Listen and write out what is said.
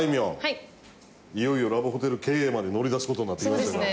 いよいよラブホテル経営まで乗り出す事になってきましたけど。